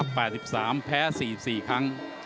๘๓แพ้๔๔ครั้ง